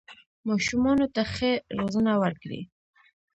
ماشومانو ته ښه روزنه ورکړئ